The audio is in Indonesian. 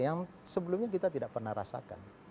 yang sebelumnya kita tidak pernah rasakan